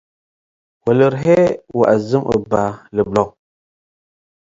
ወልርሄ ወአዝም እበ ልብሎ ።